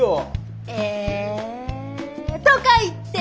え。とか言って！